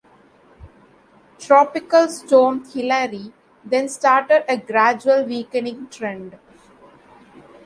Tropical Storm Hilary then started a gradual weakening trend.